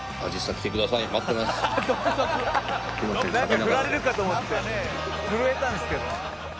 「なんか振られるかと思って震えたんですけど」